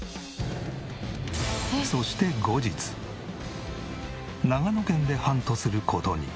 そして後日長野県でハントする事に。